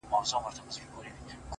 o څڼي سرې شونډي تكي تـوري سترگي؛